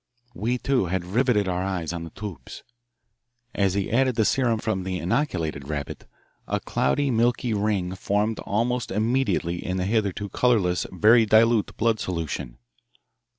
We, too, had riveted our eyes on the tubes. As he added the serum from the inoculated rabbit, a cloudy milky ring formed almost immediately in the hitherto colourless, very dilute blood solution.